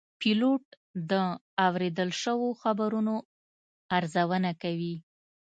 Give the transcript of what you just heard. پیلوټ د اورېدل شوو خبرونو ارزونه کوي.